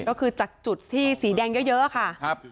ก็คือจากจุดที่สีแดงเยอะค่ะ